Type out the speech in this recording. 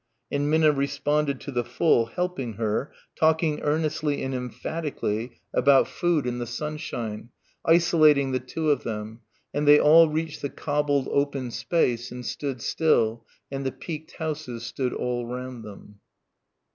and Minna responded to the full, helping her, talking earnestly and emphatically about food and the sunshine, isolating the two of them; and they all reached the cobbled open space and stood still and the peaked houses stood all round them.